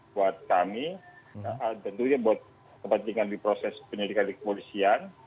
buat kami tentunya buat kepentingan di proses penyelidikan di kepolisian